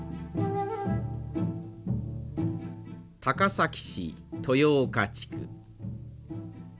高崎市豊岡地区。